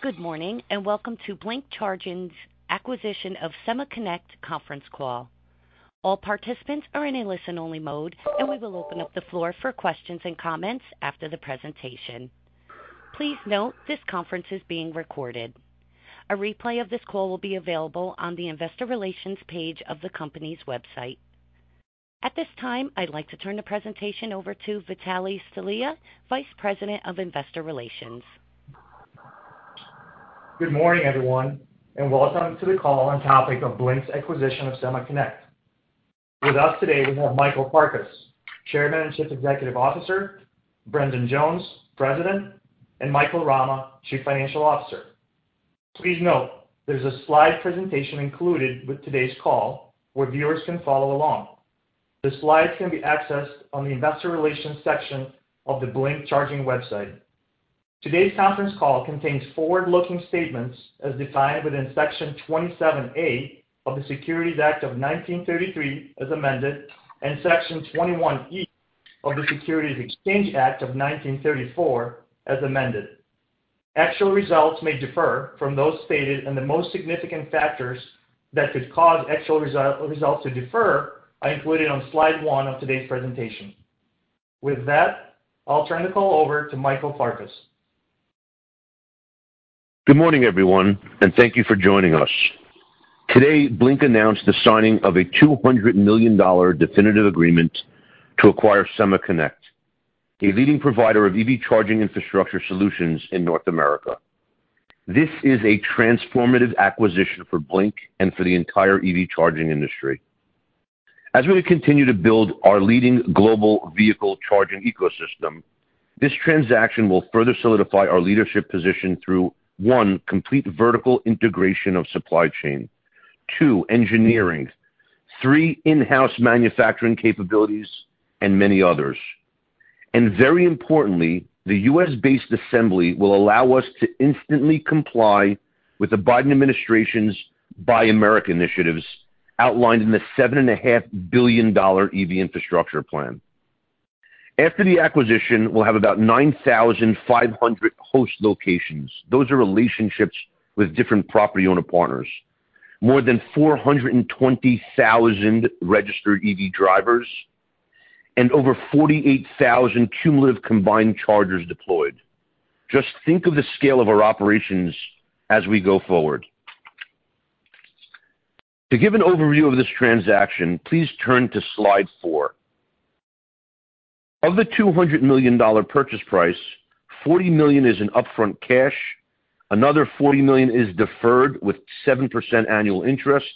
Good morning, and welcome to Blink Charging's acquisition of SemaConnect conference call. All participants are in a listen-only mode, and we will open up the floor for questions and comments after the presentation. Please note this conference is being recorded. A replay of this call will be available on the investor relations page of the company's website. At this time, I'd like to turn the presentation over to Vitalie Stelea, Vice President of Investor Relations. Good morning, everyone, and welcome to the call on topic of Blink's acquisition of SemaConnect. With us today we have Michael D. Farkas, Chairman and Chief Executive Officer, Brendan Jones, President, and Michael Rama, Chief Financial Officer. Please note there's a slide presentation included with today's call where viewers can follow along. The slides can be accessed on the investor relations section of the Blink Charging website. Today's conference call contains forward-looking statements as defined within Section 27A of the Securities Act of 1933 as amended, and Section 21E of the Securities Exchange Act of 1934 as amended. Actual results may differ from those stated, and the most significant factors that could cause actual results to differ are included on slide one of today's presentation. With that, I'll turn the call over to Michael Farkas. Good morning, everyone, and thank you for joining us. Today, Blink announced the signing of a $200 million definitive agreement to acquire SemaConnect, a leading provider of EV charging infrastructure solutions in North America. This is a transformative acquisition for Blink and for the entire EV charging industry. As we continue to build our leading global vehicle charging ecosystem, this transaction will further solidify our leadership position through, one, complete vertical integration of supply chain. Two, engineering. Three, in-house manufacturing capabilities and many others. Very importantly, the U.S.-based assembly will allow us to instantly comply with the Biden administration's Buy America initiatives outlined in the $7.5 billion EV infrastructure plan. After the acquisition, we'll have about 9,500 host locations. Those are relationships with different property owner partners. More than 420,000 registered EV drivers and over 48,000 cumulative combined chargers deployed. Just think of the scale of our operations as we go forward. To give an overview of this transaction, please turn to slide four. Of the $200 million purchase price, $40 million is in upfront cash, another $40 million is deferred with 7% annual interest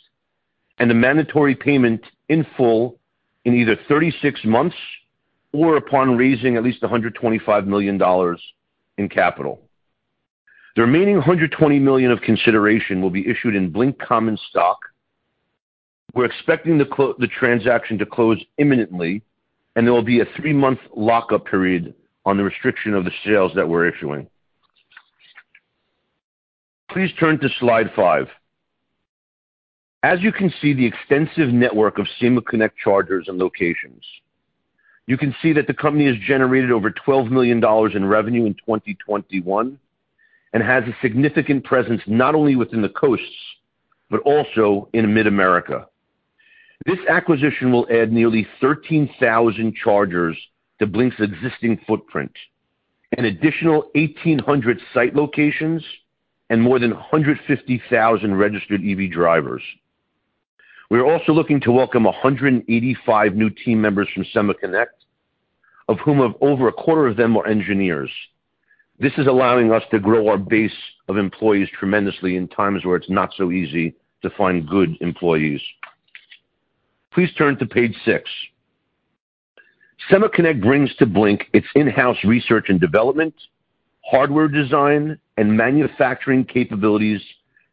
and a mandatory payment in full in either 36 months or upon raising at least $125 million in capital. The remaining $120 million of consideration will be issued in Blink common stock. We're expecting the transaction to close imminently, and there will be a three-month lock-up period on the shares we're issuing. Please turn to slide five. As you can see the extensive network of SemaConnect chargers and locations. You can see that the company has generated over $12 million in revenue in 2021 and has a significant presence not only within the coasts but also in Mid-America. This acquisition will add nearly 13,000 chargers to Blink's existing footprint, an additional 1,800 site locations, and more than 150,000 registered EV drivers. We are also looking to welcome 185 new team members from SemaConnect, of whom over a quarter of them are engineers. This is allowing us to grow our base of employees tremendously in times where it's not so easy to find good employees. Please turn to page six. SemaConnect brings to Blink its in-house research and development, hardware design, and manufacturing capabilities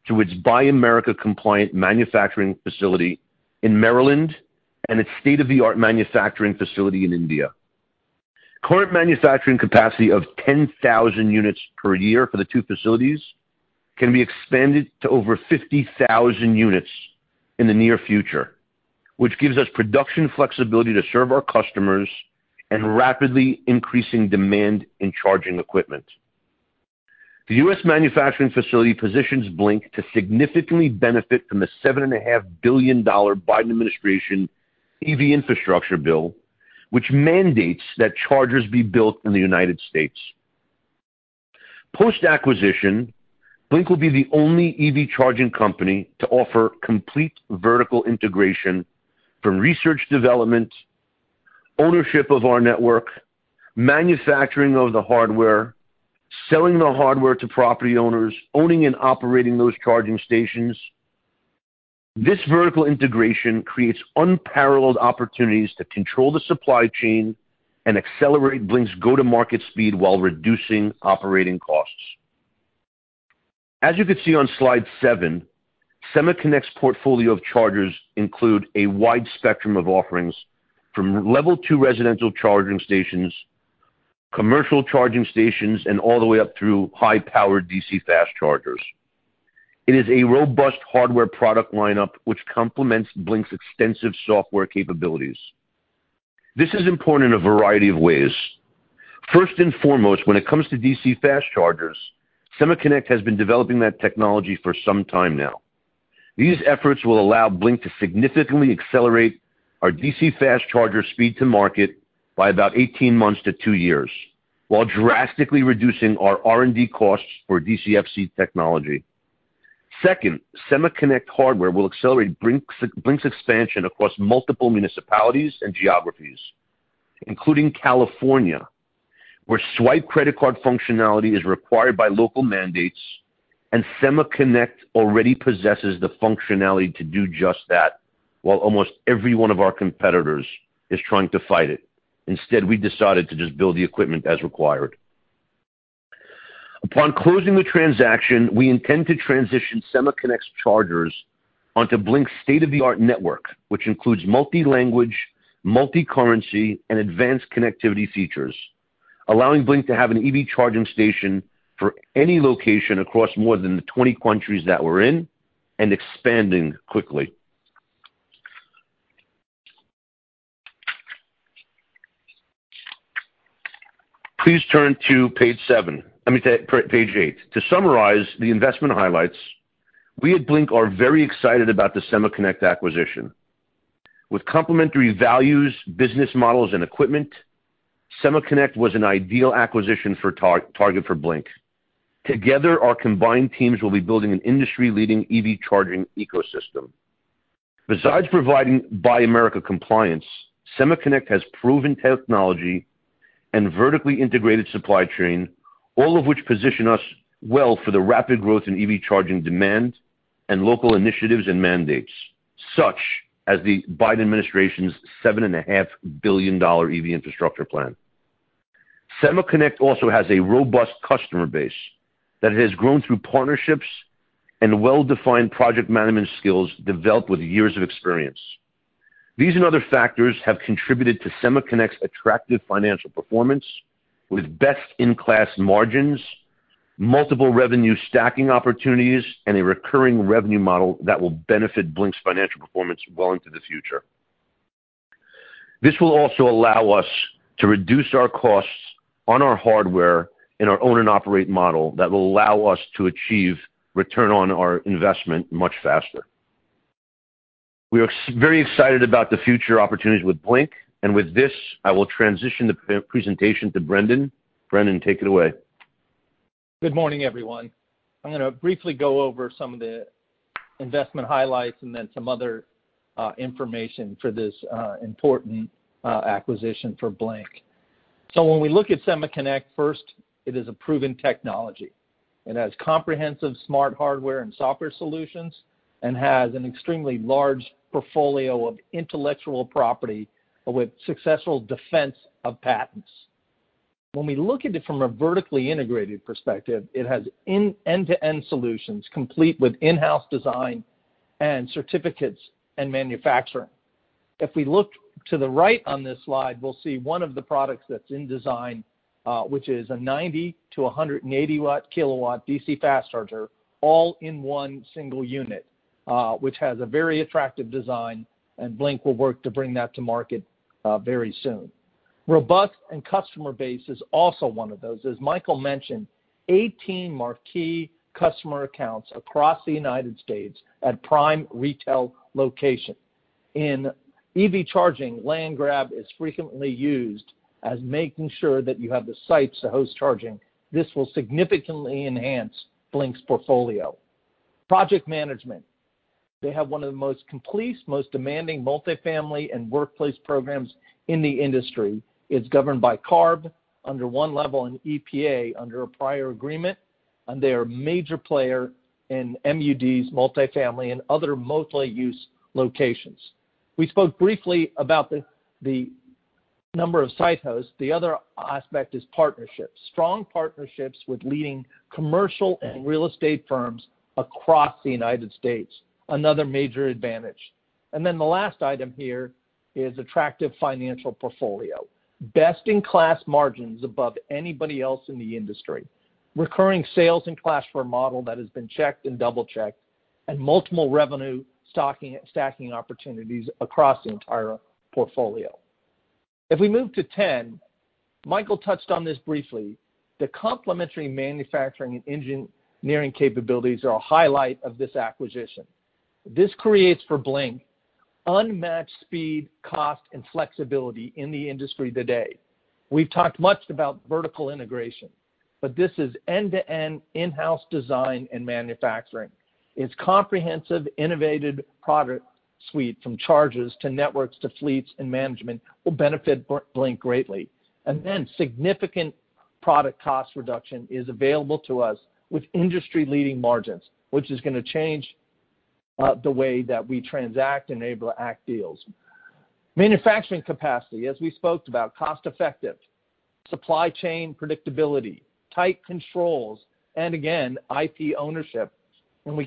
through its Buy America compliant manufacturing facility in Maryland and its state-of-the-art manufacturing facility in India. Current manufacturing capacity of 10,000 units per year for the two facilities can be expanded to over 50,000 units in the near future, which gives us production flexibility to serve our customers and rapidly increasing demand in charging equipment. The U.S. manufacturing facility positions Blink to significantly benefit from the $7.5 billion Biden administration EV infrastructure bill, which mandates that chargers be built in the United States. Post-acquisition, Blink will be the only EV charging company to offer complete vertical integration from research and development, ownership of our network, manufacturing of the hardware, selling the hardware to property owners, owning and operating those charging stations. This vertical integration creates unparalleled opportunities to control the supply chain and accelerate Blink's go-to-market speed while reducing operating costs. As you can see on slide seven, SemaConnect's portfolio of chargers include a wide spectrum of offerings from level two residential charging stations, commercial charging stations, and all the way up through high-powered DC fast chargers. It is a robust hardware product lineup which complements Blink's extensive software capabilities. This is important in a variety of ways. First and foremost, when it comes to DC fast chargers, SemaConnect has been developing that technology for some time now. These efforts will allow Blink to significantly accelerate our DC fast charger speed to market by about 18 months to two years, while drastically reducing our R&D costs for DCFC technology. Second, SemaConnect hardware will accelerate Blink's expansion across multiple municipalities and geographies, including California, where swipe credit card functionality is required by local mandates, and SemaConnect already possesses the functionality to do just that, while almost every one of our competitors is trying to fight it. Instead, we decided to just build the equipment as required. Upon closing the transaction, we intend to transition SemaConnect's chargers onto Blink's state-of-the-art network, which includes multi-language, multi-currency, and advanced connectivity features, allowing Blink to have an EV charging station for any location across more than the 20 countries that we're in and expanding quickly. Please turn to page seven. I mean to page eight. To summarize the investment highlights, we at Blink are very excited about the SemaConnect acquisition. With complementary values, business models, and equipment, SemaConnect was an ideal acquisition target for Blink. Together, our combined teams will be building an industry-leading EV charging ecosystem. Besides providing Buy America compliance, SemaConnect has proven technology and vertically integrated supply chain, all of which position us well for the rapid growth in EV charging demand and local initiatives and mandates, such as the Biden administration's $7.5 billion EV infrastructure plan. SemaConnect also has a robust customer base that has grown through partnerships and well-defined project management skills developed with years of experience. These and other factors have contributed to SemaConnect's attractive financial performance with best-in-class margins, multiple revenue stacking opportunities, and a recurring revenue model that will benefit Blink's financial performance well into the future. This will also allow us to reduce our costs on our hardware in our own and operate model that will allow us to achieve return on our investment much faster. We are very excited about the future opportunities with Blink, and with this, I will transition the pre-presentation to Brendan. Brendan, take it away. Good morning, everyone. I'm gonna briefly go over some of the investment highlights and then some other information for this important acquisition for Blink. When we look at SemaConnect first, it is a proven technology. It has comprehensive smart hardware and software solutions and has an extremely large portfolio of intellectual property with successful defense of patents. When we look at it from a vertically integrated perspective, it has end-to-end solutions complete with in-house design and certificates and manufacturing. If we look to the right on this slide, we'll see one of the products that's in design, which is a 90- to 180-kW DC fast charger all in one single unit, which has a very attractive design, and Blink will work to bring that to market very soon. Robust and customer base is also one of those. As Michael mentioned, 18 marquee customer accounts across the U.S. at prime retail location. In EV charging, land grab is frequently used as making sure that you have the sites to host charging. This will significantly enhance Blink's portfolio. Project management. They have one of the most complete, most demanding multi-family and workplace programs in the industry. It's governed by CARB under one level and EPA under a prior agreement. They are a major player in MUD's multi-family and other multi-use locations. We spoke briefly about the number of site hosts. The other aspect is partnerships. Strong partnerships with leading commercial and real estate firms across the U.S., another major advantage. Then the last item here is attractive financial portfolio. Best-in-class margins above anybody else in the industry. Recurring sales and SaaS model that has been checked and double-checked, and multiple revenue stacking opportunities across the entire portfolio. If we move to 10, Michael touched on this briefly. The complementary manufacturing and engineering capabilities are a highlight of this acquisition. This creates for Blink unmatched speed, cost, and flexibility in the industry today. We've talked much about vertical integration, but this is end-to-end in-house design and manufacturing. Its comprehensive, innovative product suite from chargers to networks to fleets and management will benefit Blink greatly. Significant product cost reduction is available to us with industry-leading margins, which is gonna change the way that we transact [IRA deals. Manufacturing capacity, as we spoke about, cost-effective, supply chain predictability, tight controls, and again, IP ownership. We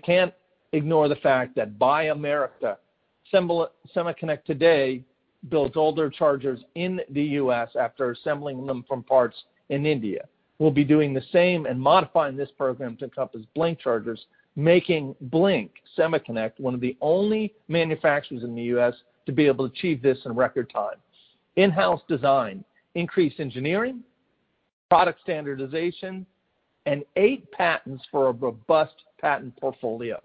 can't ignore the fact that Buy America, SemaConnect today builds all their chargers in the U.S. after assembling them from parts in India. We'll be doing the same and modifying this program to encompass Blink chargers, making Blink SemaConnect one of the only manufacturers in the U.S. to be able to achieve this in record time. In-house design, increased engineering, product standardization and eight patents for a robust patent portfolio.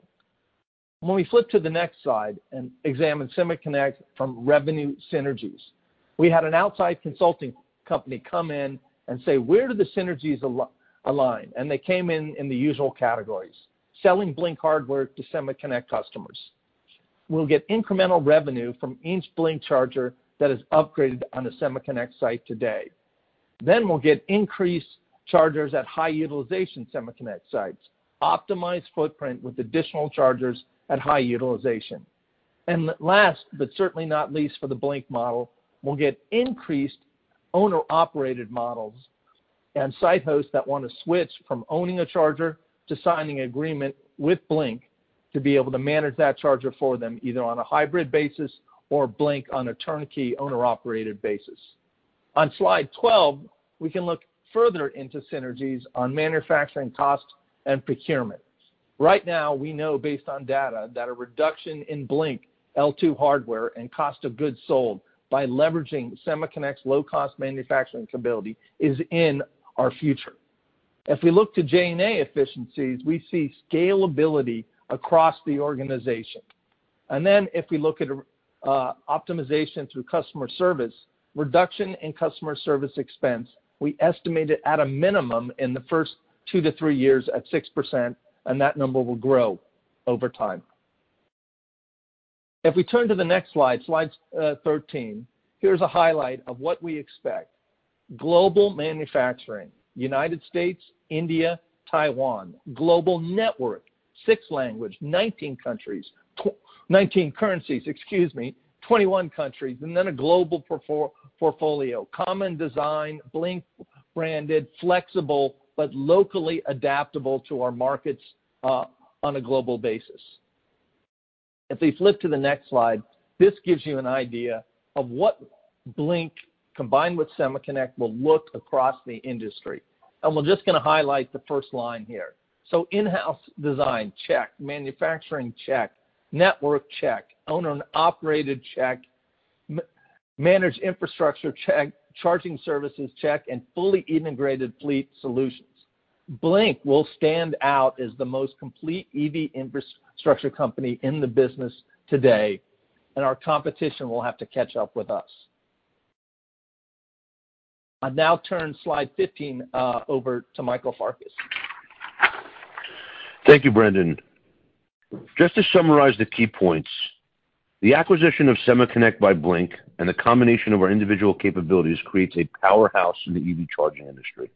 When we flip to the next slide and examine SemaConnect from revenue synergies, we had an outside consulting company come in and say, "Where do the synergies align?" And they came in in the usual categories. Selling Blink hardware to SemaConnect customers. We'll get incremental revenue from each Blink charger that is upgraded on a SemaConnect site today. Then we'll get increased chargers at high utilization SemaConnect sites, optimized footprint with additional chargers at high utilization. And last, but certainly not least for the Blink model, we'll get increased owner-operated models and site hosts that wanna switch from owning a charger to signing an agreement with Blink to be able to manage that charger for them, either on a hybrid basis or Blink on a turnkey owner-operated basis. On slide 12, we can look further into synergies on manufacturing costs and procurement. Right now, we know based on data, that a reduction in Blink L2 hardware and cost of goods sold by leveraging SemaConnect's low cost manufacturing capability is in our future. If we look to G&A efficiencies, we see scalability across the organization. If we look at optimization through customer service, reduction in customer service expense, we estimate it at a minimum in the first two to three years at 6%, and that number will grow over time. If we turn to the next slide, 13, here's a highlight of what we expect. Global manufacturing, U.S., India, Taiwan. Global network, six languages, 19 countries. 19 currencies, excuse me. 21 countries. A global portfolio. Common design, Blink branded, flexible, but locally adaptable to our markets on a global basis. If we flip to the next slide, this gives you an idea of what Blink combined with SemaConnect will look across the industry. We're just gonna highlight the first line here. In-house design, check. Manufacturing, check. Network, check. Owner-operated, check. Managed infrastructure, check. Charging services, check. Fully integrated fleet solutions. Blink will stand out as the most complete EV infrastructure company in the business today, and our competition will have to catch up with us. I now turn slide 15 over to Michael Farkas. Thank you, Brendan. Just to summarize the key points, the acquisition of SemaConnect by Blink and the combination of our individual capabilities creates a powerhouse in the EV charging industry.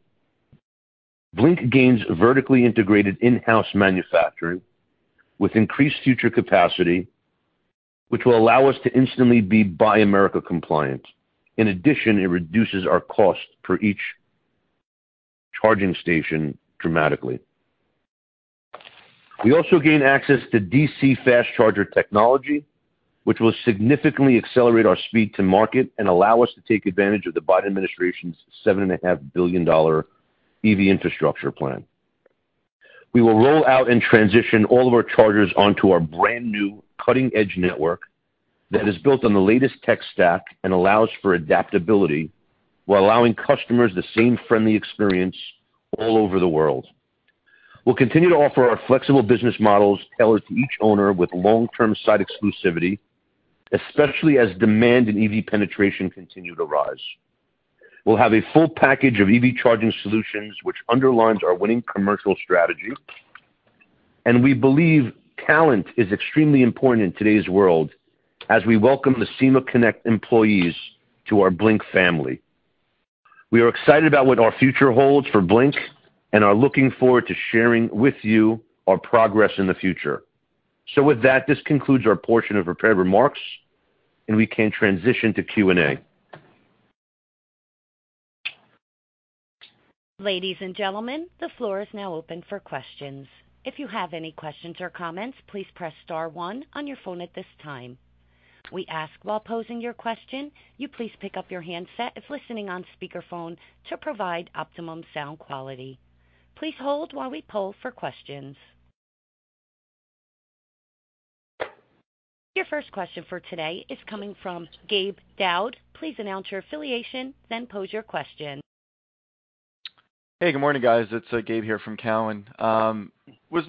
Blink gains vertically integrated in-house manufacturing with increased future capacity, which will allow us to instantly be Buy America compliant. In addition, it reduces our cost for each charging station dramatically. We also gain access to DC fast charger technology, which will significantly accelerate our speed to market and allow us to take advantage of the Biden administration's $7.5 billion EV infrastructure plan. We will roll out and transition all of our chargers onto our brand-new cutting-edge network that is built on the latest tech stack and allows for adaptability while allowing customers the same friendly experience all over the world. We'll continue to offer our flexible business models tailored to each owner with long-term site exclusivity, especially as demand and EV penetration continue to rise. We'll have a full package of EV charging solutions, which underlines our winning commercial strategy, and we believe talent is extremely important in today's world as we welcome the SemaConnect employees to our Blink family. We are excited about what our future holds for Blink and are looking forward to sharing with you our progress in the future. With that, this concludes our portion of prepared remarks, and we can transition to Q&A. Ladies and gentlemen, the floor is now open for questions. If you have any questions or comments, please press star one on your phone at this time. We ask while posing your question, you please pick up your handset if listening on speaker phone to provide optimum sound quality. Please hold while we poll for questions. Your first question for today is coming from Gabe Daoud. Please announce your affiliation, then pose your question. Hey, good morning, guys. It's Gabe here from Cowen. I know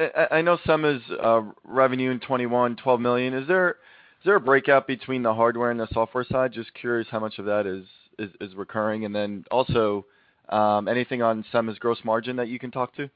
SemaConnect's revenue in 2021, $12 million. Is there a breakout between the hardware and the software side? Just curious how much of that is recurring. Then also, anything on SemaConnect's gross margin that you can talk to?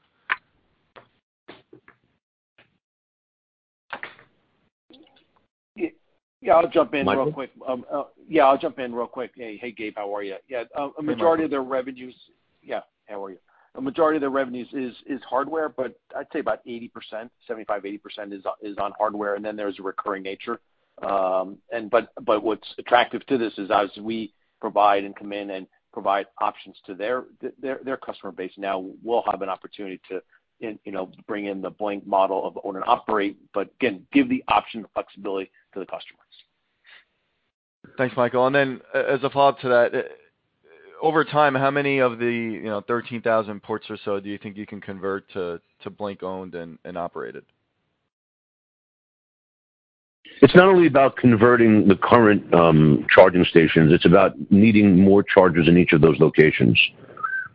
Yeah, I'll jump in real quick. Michael. Yeah, I'll jump in real quick. Hey, Gabe. How are ya? Yeah, a majority of their revenues- Hey, Michael. Yeah. How are you? A majority of their revenues is hardware, but I'd say about 80%, 75%-80% is on hardware, and then there's a recurring nature. But what's attractive to this is as we provide and come in and provide options to their customer base now, we'll have an opportunity to you know, bring in the Blink model of own and operate, but again, give the option of flexibility to the customers. Thanks, Michael. And then as a follow-up to that, over time, how many of the, you know, 13,000 ports or so do you think you can convert to Blink-owned and operated? It's not only about converting the current charging stations, it's about needing more chargers in each of those locations.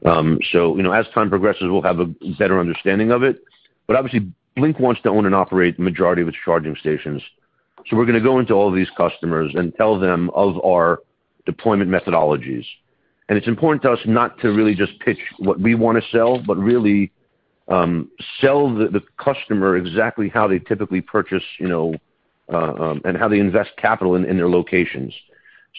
You know, as time progresses, we'll have a better understanding of it. Obviously, Blink wants to own and operate the majority of its charging stations. We're gonna go into all these customers and tell them of our deployment methodologies. It's important to us not to really just pitch what we wanna sell, but really sell the customer exactly how they typically purchase, you know, and how they invest capital in their locations.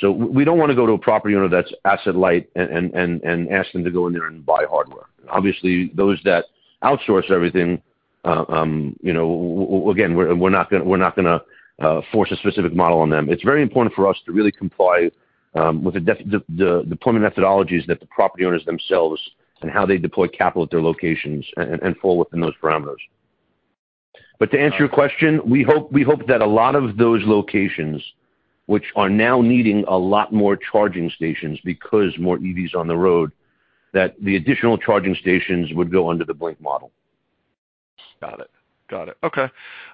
We don't wanna go to a property owner that's asset light and ask them to go in there and buy hardware. Obviously, those that outsource everything, you know, again, we're not gonna force a specific model on them. It's very important for us to really comply with the deployment methodologies that the property owners themselves and how they deploy capital at their locations and fall within those parameters. To answer your question, we hope that a lot of those locations which are now needing a lot more charging stations because more EVs on the road, that the additional charging stations would go under the Blink model. Got it.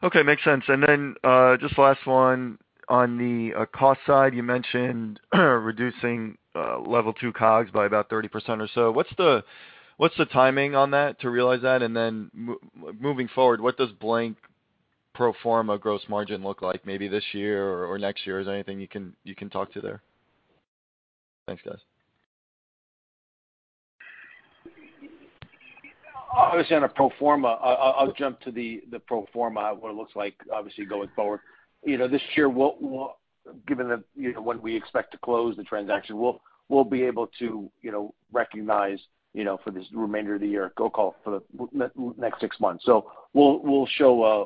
Okay, makes sense. Just last one. On the cost side, you mentioned reducing Level 2 COGS by about 30% or so. What's the timing on that to realize that? Moving forward, what does Blink pro forma gross margin look like maybe this year or next year? Is there anything you can talk to there? Thanks, guys. Obviously on a pro forma, I'll jump to the pro forma, what it looks like obviously going forward. You know, this year we'll, given the, you know, when we expect to close the transaction, we'll be able to, you know, recognize, you know, for this remainder of the year, for the next six months. We'll show a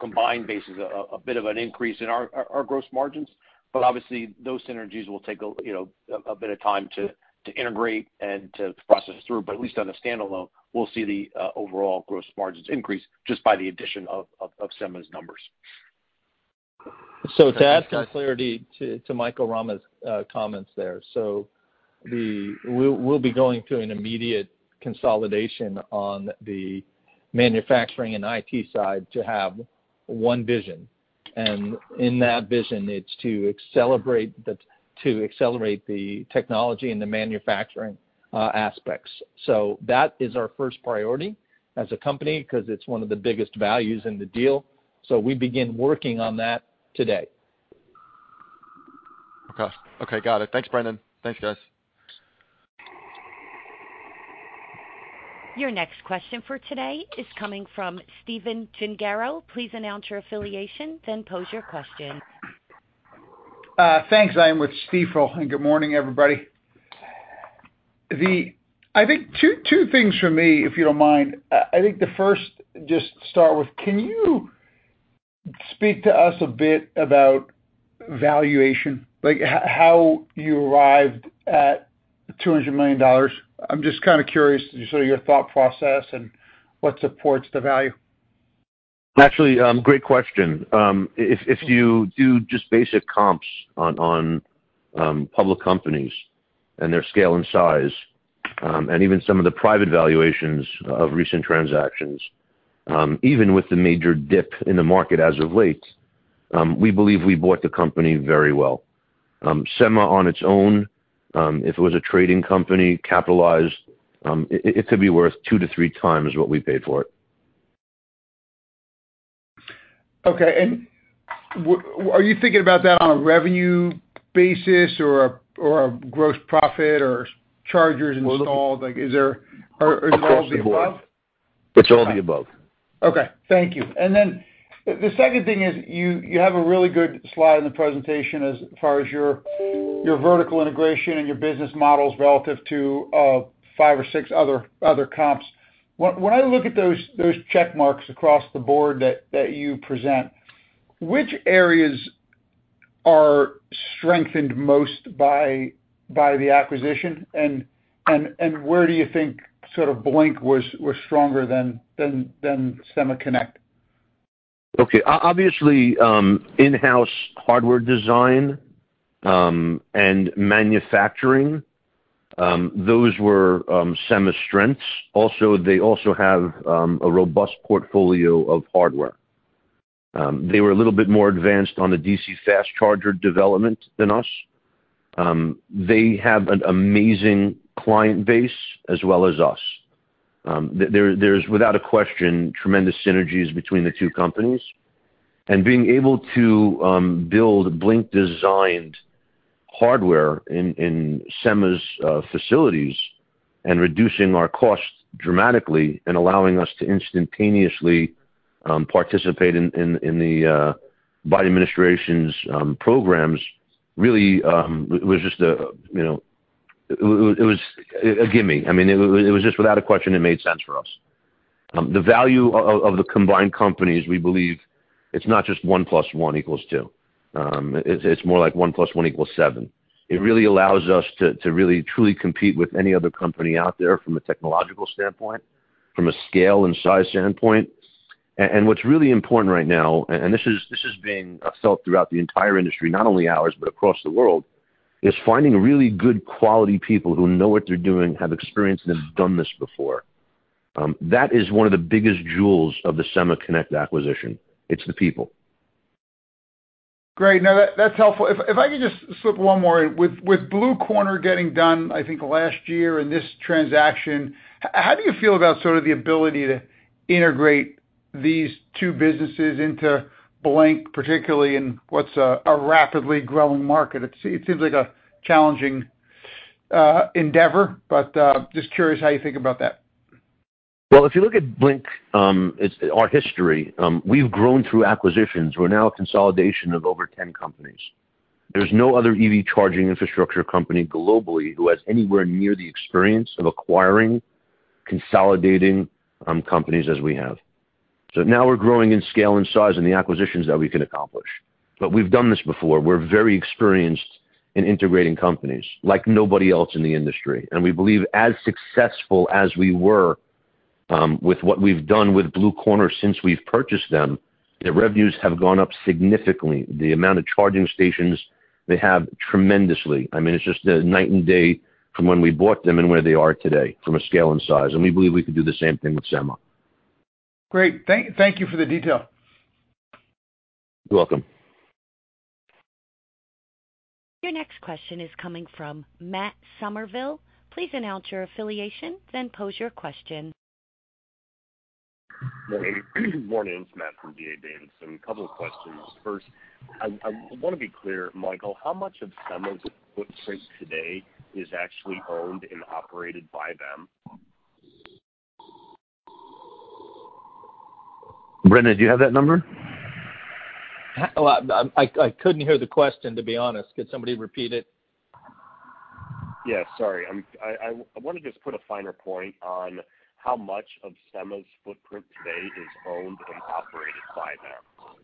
combined basis a bit of an increase in our gross margins. But obviously those synergies will take, you know, a bit of time to integrate and to process through. But at least on a standalone, we'll see the overall gross margins increase just by the addition of Sema's numbers. To add some clarity to Michael Rama's comments there. We'll be going to an immediate consolidation on the manufacturing and IT side to have one vision. In that vision it's to accelerate the technology and the manufacturing aspects. That is our first priority as a company 'cause it's one of the biggest values in the deal. We begin working on that today. Okay. Okay, got it. Thanks, Brendan. Thanks, guys. Your next question for today is coming from Stephen Gengaro. Please announce your affiliation, then pose your question. Thanks. I am with Stifel, and good morning, everybody. I think two things from me, if you don't mind. I think the first, just to start with, can you speak to us a bit about valuation, like how you arrived at $200 million? I'm just kinda curious to sort of your thought process and what supports the value. Actually, great question. If you do just basic comps on public companies and their scale and size, and even some of the private valuations of recent transactions, even with the major dip in the market as of late, we believe we bought the company very well. SemaConnect on its own, if it was a trading company capitalized, it could be worth 2-3x what we paid for it. Okay. Are you thinking about that on a revenue basis or a gross profit or chargers installed? Like is there? Across the board. Is it all the above? It's all the above. Okay. Thank you. The second thing is you have a really good slide in the presentation as far as your vertical integration and your business models relative to five or six other comps. When I look at those check marks across the board that you present, which areas are strengthened most by the acquisition and where do you think sort of Blink was stronger than SemaConnect? Okay. Obviously, in-house hardware design and manufacturing, those were Sema's strengths. Also, they have a robust portfolio of hardware. They were a little bit more advanced on the DC fast charger development than us. They have an amazing client base as well as us. There's, without a question, tremendous synergies between the two companies. Being able to build Blink designed hardware in Sema's facilities and reducing our costs dramatically and allowing us to instantaneously participate in the Biden administration's programs, really was just a, you know. It was a gimme. I mean, it was just without a question it made sense for us. The value of the combined companies, we believe it's not just 1 + 1 = 2. It's more like 1 + 1 = 7. It really allows us to really truly compete with any other company out there from a technological standpoint, from a scale and size standpoint. What's really important right now, and this is being felt throughout the entire industry, not only ours, but across the world, is finding really good quality people who know what they're doing, have experience, and have done this before. That is one of the biggest jewels of the SemaConnect acquisition. It's the people. Great. No, that's helpful. If I could just slip one more in. With Blue Corner getting done, I think last year in this transaction, how do you feel about sort of the ability to integrate these two businesses into Blink, particularly in what's a rapidly growing market? It seems like a challenging endeavor, but just curious how you think about that. Well, if you look at Blink, our history, we've grown through acquisitions. We're now a consolidation of over 10 companies. There's no other EV charging infrastructure company globally who has anywhere near the experience of acquiring, consolidating, companies as we have. Now we're growing in scale and size in the acquisitions that we can accomplish. We've done this before. We're very experienced in integrating companies like nobody else in the industry. We believe as successful as we were, with what we've done with Blue Corner since we've purchased them, their revenues have gone up significantly. The amount of charging stations they have, tremendously. I mean, it's just, night and day from when we bought them and where they are today from a scale and size. We believe we can do the same thing with SemaConnect. Great. Thank you for the detail. You're welcome. Your next question is coming from Matt Summerville. Please announce your affiliation, then pose your question. Morning. Morning. It's Matt from D.A. Davidson. Couple of questions. First, I wanna be clear, Michael, how much of SemaConnect's footprint today is actually owned and operated by them? Brendan, do you have that number? Well, I couldn't hear the question, to be honest. Could somebody repeat it? Yeah. Sorry. I wanna just put a finer point on how much of Sema's footprint today is owned and operated by them.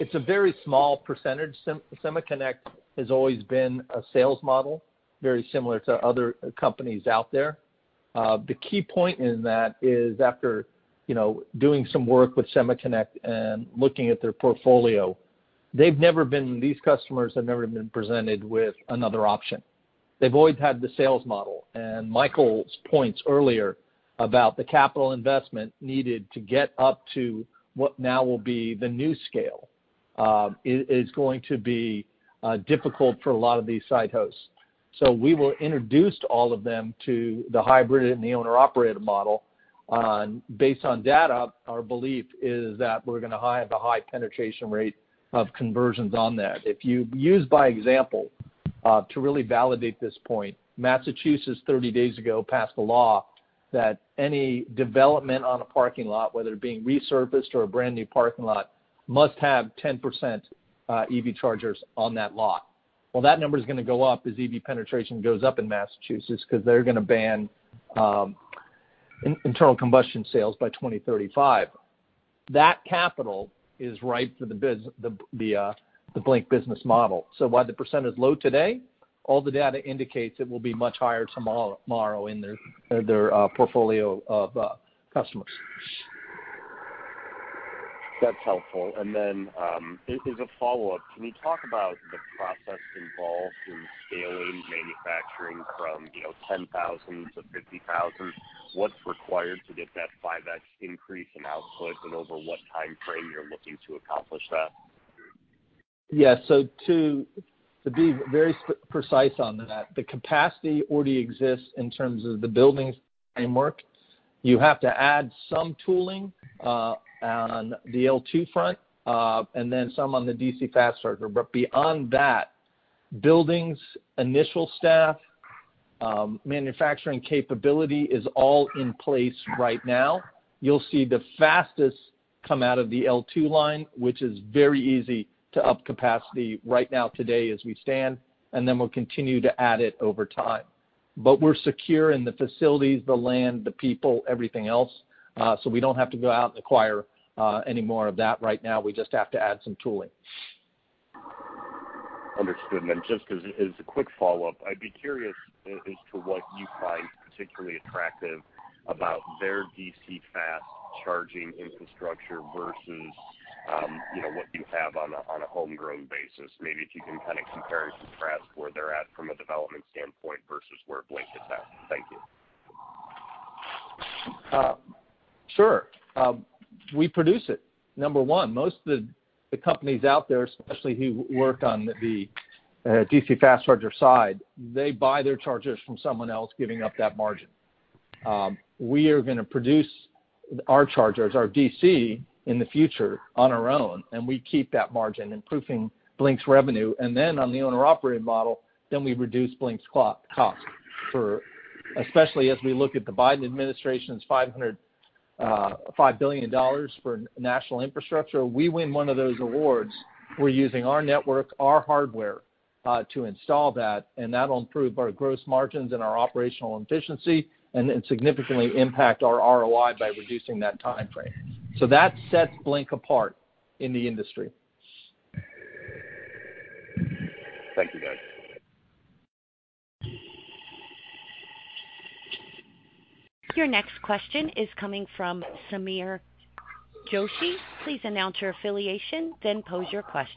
It's a very small percentage. SemaConnect has always been a sales model, very similar to other companies out there. The key point in that is after doing some work with SemaConnect and looking at their portfolio, these customers have never been presented with another option. They've always had the sales model. Michael's points earlier about the capital investment needed to get up to what now will be the new scale is going to be difficult for a lot of these site hosts. We will introduce all of them to the hybrid and the owner-operated model. Based on data, our belief is that we're gonna have a high penetration rate of conversions on that. If you use for example to really validate this point, Massachusetts, 30 days ago, passed a law that any development on a parking lot, whether it being resurfaced or a brand-new parking lot, must have 10% EV chargers on that lot. Well, that number's gonna go up as EV penetration goes up in Massachusetts 'cause they're gonna ban internal combustion sales by 2035. That capital is ripe for the Blink business model. While the percent is low today, all the data indicates it will be much higher tomorrow in their portfolio of customers. That's helpful. As a follow-up, can you talk about the process involved in scaling manufacturing from, you know, 10,000 to 50,000? What's required to get that 5x increase in output, and over what timeframe you're looking to accomplish that? Yeah. To be very precise on that, the capacity already exists in terms of the buildings' framework. You have to add some tooling on the L2 front, and then some on the DC fast charger. Beyond that, buildings, initial staff, manufacturing capability is all in place right now. You'll see the fastest come out of the L2 line, which is very easy to up capacity right now today as we stand, and then we'll continue to add it over time. We're secure in the facilities, the land, the people, everything else, so we don't have to go out and acquire any more of that right now. We just have to add some tooling. Understood. Then just as a quick follow-up, I'd be curious as to what you find particularly attractive about their DC fast charging infrastructure versus, you know, what you have on a homegrown basis. Maybe if you can kinda compare and contrast where they're at from a development standpoint versus where Blink is at. Thank you. Sure. We produce it. Number one, most of the companies out there, especially who work on the DC fast charger side, they buy their chargers from someone else, giving up that margin. We are gonna produce our chargers, our DC, in the future on our own, and we keep that margin, improving Blink's revenue. Then on the owner-operated model, then we reduce Blink's cost for. Especially as we look at the Biden administration's $5 billion for national infrastructure, we win one of those awards, we're using our network, our hardware, to install that, and that'll improve our gross margins and our operational efficiency and significantly impact our ROI by reducing that timeframe. That sets Blink apart in the industry. Thank you, guys. Your next question is coming from Sameer Joshi. Please announce your affiliation, then pose your question.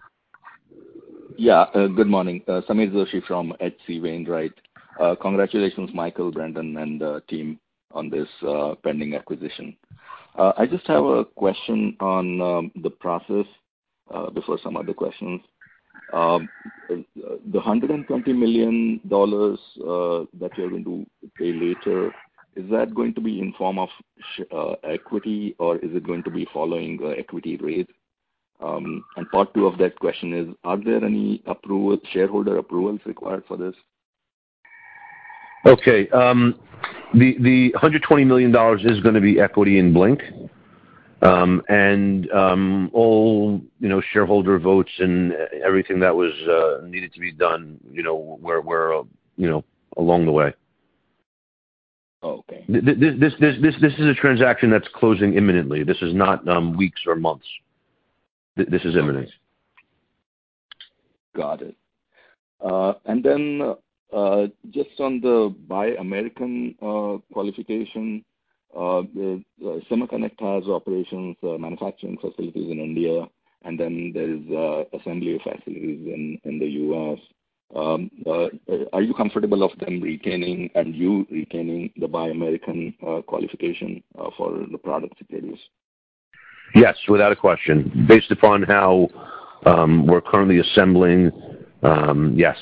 Yeah. Good morning. Sameer Joshi from H.C. Wainwright Congratulations, Michael, Brendan, and the team on this pending acquisition. I just have a question on the process before some other questions. The $120 million that you're going to pay later, is that going to be in the form of equity or is it going to be follow-on equity raise? And part two of that question is, are there any shareholder approvals required for this? Okay. The $120 million is gonna be equity in Blink. All you know, shareholder votes and everything that was needed to be done, you know, were along the way. Okay. This is a transaction that's closing imminently. This is not weeks or months. This is imminent. Got it. Just on the Buy America qualification, the SemaConnect has operations, manufacturing facilities in India, and then there's assembly facilities in the U.S. Are you comfortable of them retaining and you retaining the Buy America qualification for the product it carries? Yes, without a question. Based upon how we're currently assembling, yes.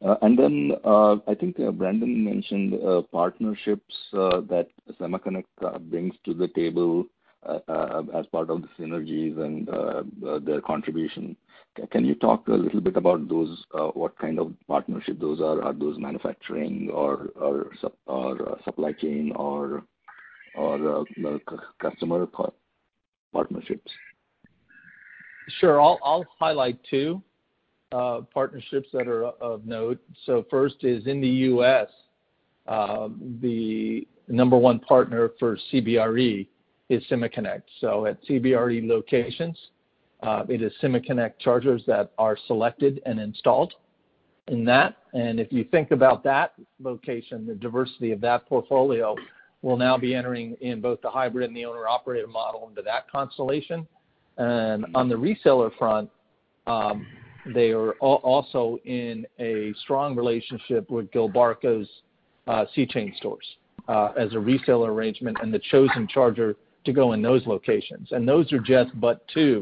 I think Brendan mentioned partnerships that SemaConnect brings to the table as part of the synergies and their contribution. Can you talk a little bit about those, what kind of partnerships those are? Are those manufacturing or supply chain or customer partnerships? Sure. I'll highlight two partnerships that are of note. First is in the U.S., the number one partner for CBRE is SemaConnect. At CBRE locations, it is SemaConnect chargers that are selected and installed in that. If you think about that location, the diversity of that portfolio will now be entering in both the hybrid and the owner operator model into that constellation. On the reseller front, they are also in a strong relationship with Gilbarco's C-stores as a reseller arrangement and the chosen charger to go in those locations. Those are just but two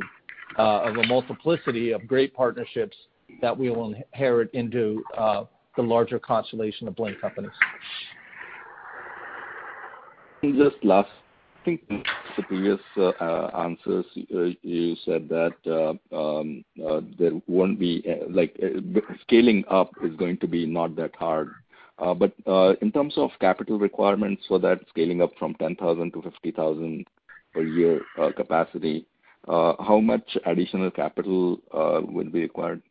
of a multiplicity of great partnerships that we will inherit into the larger constellation of Blink companies. Just last, I think in the previous answers, you said that there won't be like scaling up is going to be not that hard. In terms of capital requirements, so that scaling up from 10,000 to 50,000 per year capacity, how much additional capital would be required?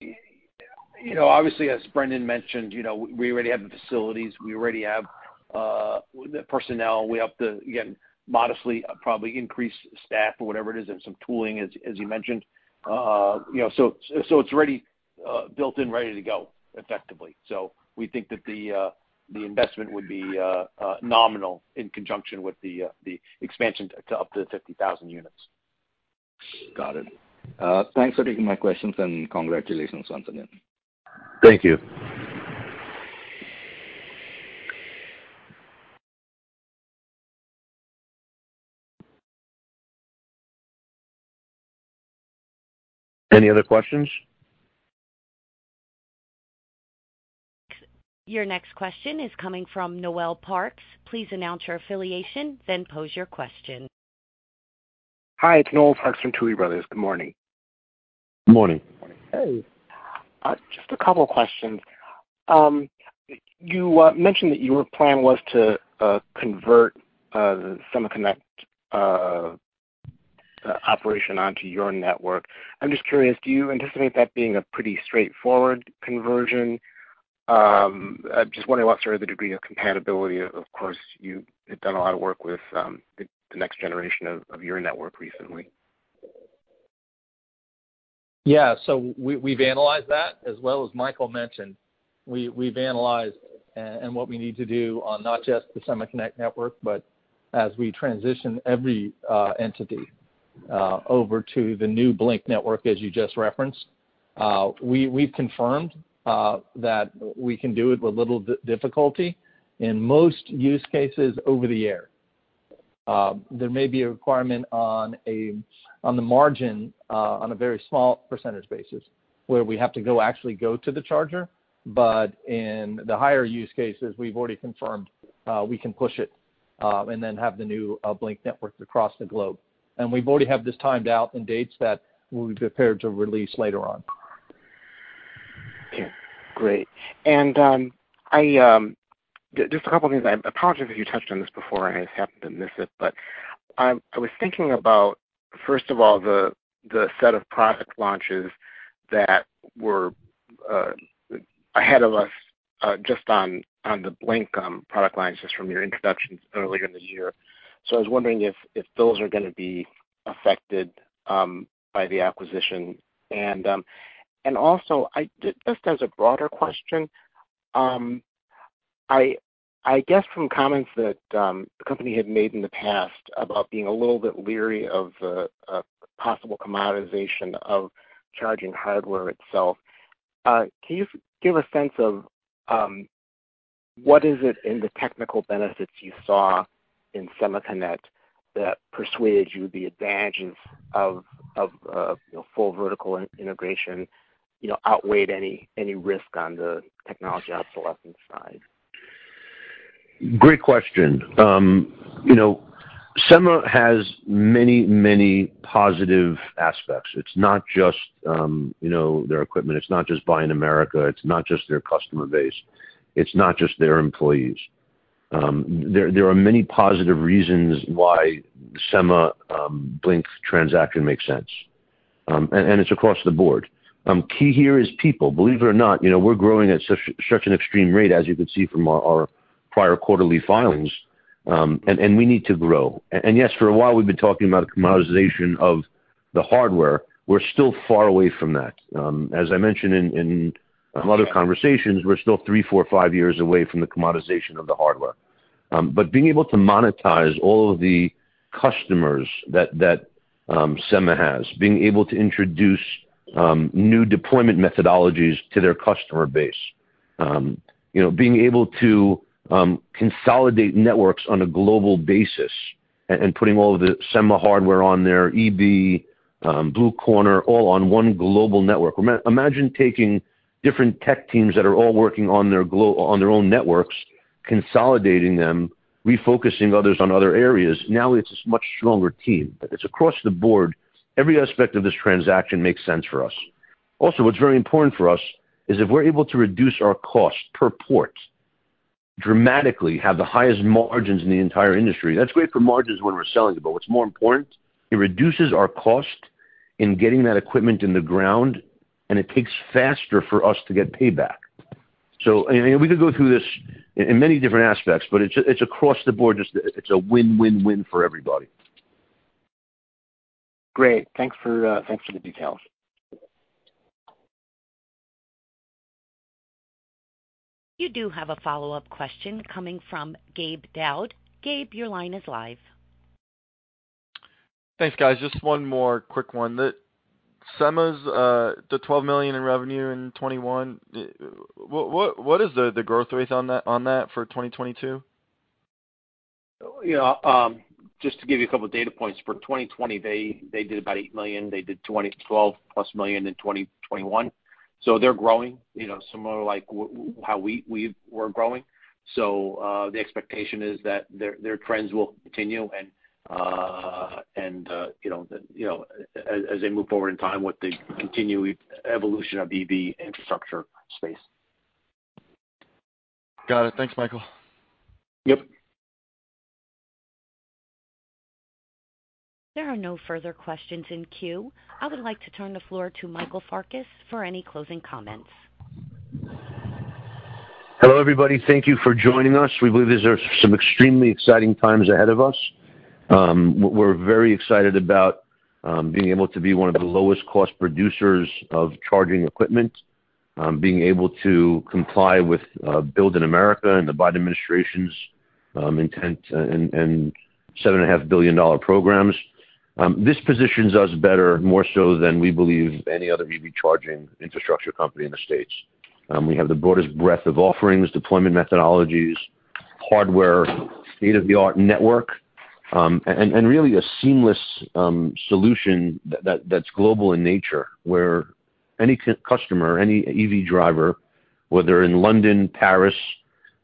You know, obviously, as Brendan mentioned, you know, we already have the facilities, we already have the personnel. We have to, again, modestly probably increase staff or whatever it is and some tooling as you mentioned. You know, so it's already built in, ready to go effectively. We think that the investment would be nominal in conjunction with the expansion to up to 50,000 units. Got it. Thanks for taking my questions, and congratulations once again. Thank you. Any other questions? Your next question is coming from Noel Parks. Please announce your affiliation, then pose your question. Hi. It's Noel Parks from Tuohy Brothers. Good morning. Morning. Hey. Just a couple questions. You mentioned that your plan was to convert the SemaConnect operation onto your network. I'm just curious, do you anticipate that being a pretty straightforward conversion? I'm just wondering what sort of the degree of compatibility. Of course, you have done a lot of work with the next generation of your network recently. Yeah. We've analyzed that, as well as Michael mentioned. We've analyzed and what we need to do on not just the SemaConnect network, but as we transition every entity over to the new Blink Network, as you just referenced. We've confirmed that we can do it with little difficulty in most use cases over the air. There may be a requirement on the margin, on a very small percentage basis, where we have to go, actually go to the charger. But in the higher use cases, we've already confirmed we can push it, and then have the new Blink Network across the globe. We've already have this timed out in dates that we'll be prepared to release later on. Okay, great. Just a couple things. I apologize if you touched on this before and I just happened to miss it. I was thinking about, first of all, the set of product launches that were ahead of us just on the Blink product lines just from your introductions earlier in the year. I was wondering if those are gonna be affected by the acquisition. And also just as a broader question, I guess from comments that the company had made in the past about being a little bit leery of a possible commoditization of charging hardware itself. Can you give a sense of what is it in the technical benefits you saw in SemaConnect that persuaded you the advantages of full vertical integration, you know, outweighed any risk on the technology obsolescence side? Great question. You know, Sema has many positive aspects. It's not just, you know, their equipment. It's not just Buy America. It's not just their customer base. It's not just their employees. There are many positive reasons why Sema, Blink transaction makes sense. And it's across the board. Key here is people. Believe it or not, you know, we're growing at such an extreme rate as you can see from our prior quarterly filings, and we need to grow. Yes, for a while we've been talking about commoditization of the hardware. We're still far away from that. As I mentioned in a lot of conversations, we're still three, four, five years away from the commoditization of the hardware. Being able to monetize all of the customers that Sema has, being able to introduce new deployment methodologies to their customer base, you know, being able to consolidate networks on a global basis and putting all of the Sema hardware on their EV, Blue Corner, all on one global network. Imagine taking different tech teams that are all working on their own networks, consolidating them, refocusing others on other areas. Now it's a much stronger team. It's across the board. Every aspect of this transaction makes sense for us. Also, what's very important for us is if we're able to reduce our cost per port dramatically, have the highest margins in the entire industry. That's great for margins when we're selling, but what's more important, it reduces our cost in getting that equipment in the ground, and it takes faster for us to get payback. We could go through this in many different aspects, but it's across the board. Just it's a win-win-win for everybody. Great. Thanks for the details. You do have a follow-up question coming from Gabe Daoud. Gabe, your line is live. Thanks, guys. Just one more quick one. Sema's $12 million in revenue in 2021. What is the growth rate on that for 2022? You know, just to give you a couple data points. For 2020 they did about $8 million. They did $21.2 million in 2021. They're growing, you know, similar like how we're growing. The expectation is that their trends will continue and you know, as they move forward in time with the continuing evolution of EV infrastructure space. Got it. Thanks, Michael. Yep. There are no further questions in queue. I would like to turn the floor to Michael Farkas for any closing comments. Hello, everybody. Thank you for joining us. We believe these are some extremely exciting times ahead of us. We're very excited about being able to be one of the lowest cost producers of charging equipment, being able to comply with Build America and the Biden administration's intent and $7.5 billion programs. This positions us better more so than we believe any other EV charging infrastructure company in the States. We have the broadest breadth of offerings, deployment methodologies, hardware, state-of-the-art network, and really a seamless solution that's global in nature, where any customer, any EV driver, whether in London, Paris,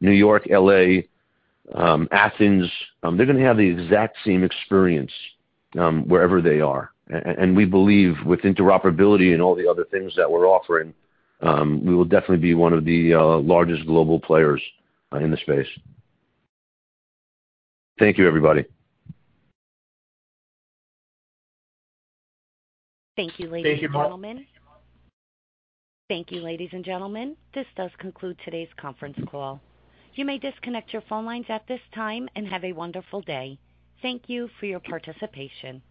New York, L.A., Athens, they're gonna have the exact same experience, wherever they are. We believe with interoperability and all the other things that we're offering, we will definitely be one of the largest global players in the space. Thank you, everybody. Thank you, ladies and gentlemen. Thank you, Michael. Thank you, ladies and gentlemen. This does conclude today's conference call. You may disconnect your phone lines at this time and have a wonderful day. Thank you for your participation.